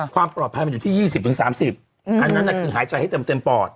ความปลอดภัยมันอยู่ที่๒๐๓๐อันนั้นคือหายใจให้เต็มปอด